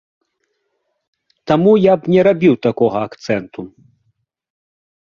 Таму я б не рабіў такога акцэнту.